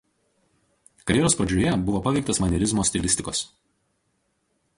Karjeros pradžioje buvo paveiktas manierizmo stilistikos.